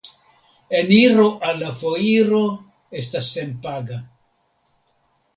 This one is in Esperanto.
Eniro al la foiro estas senpaga.